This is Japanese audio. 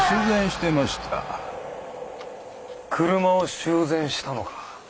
車を修繕したのか。